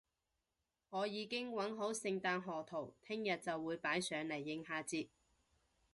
我已經搵好聖誕賀圖，聽日就會擺上嚟應下節